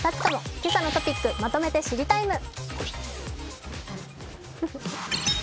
「けさのトピックまとめて知りＴＩＭＥ，」。